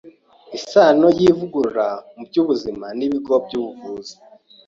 Isano y’Ivugurura mu by’Ubuzima n’Ibigo by’Ubuvuzi